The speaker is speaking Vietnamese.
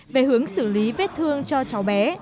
về hướng xử lý vết thương cho cháu bé